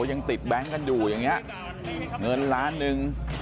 ยังติดแบงค์กันอยู่อย่างนี้เงินล้านหนึ่ง